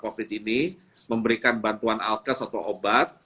mereka juga sudah mulai memberikan bantuan alkes atau obat